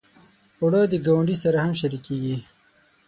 اوړه د ګاونډي سره هم شریکه کېږي